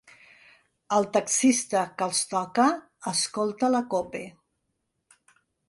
El taxista que els toca escolta la Cope.